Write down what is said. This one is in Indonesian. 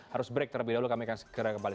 harus break terlebih dahulu kami akan segera kembali